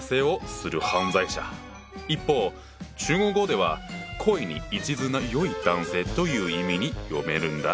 一方中国語では「恋に一途な良い男性」という意味に読めるんだ。